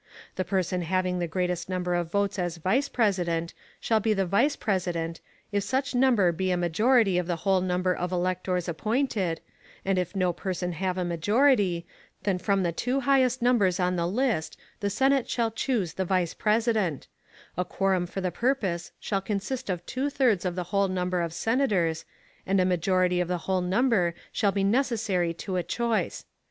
The person having the greatest number of votes as Vice President, shall be the Vice President, if such number be a majority of the whole number of Electors appointed, and if no person have a majority, then from the two highest numbers on the list, the Senate shall choose the Vice President; a quorum for the purpose shall consist of two thirds of the whole number of Senators, and a majority of the whole number shall be necessary to a choice.